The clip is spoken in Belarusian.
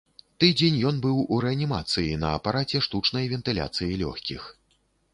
Тыдзень ён быў у рэанімацыі на апараце штучнай вентыляцыі лёгкіх.